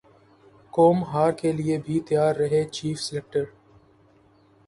قوم ہار کیلئے بھی تیار رہے چیف سلیکٹر